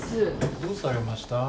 どうされました？